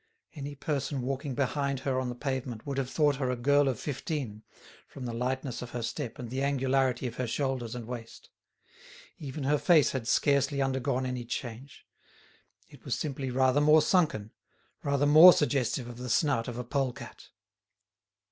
Any person walking behind her on the pavement would have thought her a girl of fifteen, from the lightness of her step and the angularity of her shoulders and waist. Even her face had scarcely undergone any change; it was simply rather more sunken, rather more suggestive of the snout of a pole cat.